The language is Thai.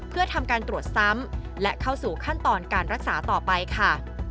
เพื่อทำการตรวจซ้ำและเข้าสู่ขั้นตอนการรักษาต่อไปค่ะ